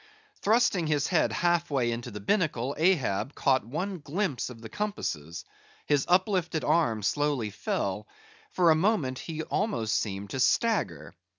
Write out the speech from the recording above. Thrusting his head half way into the binnacle, Ahab caught one glimpse of the compasses; his uplifted arm slowly fell; for a moment he almost seemed to stagger.